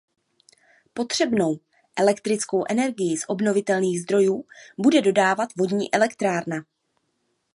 Potřebnou elektrickou energii z obnovitelných zdrojů bude dodávat vodní elektrárna.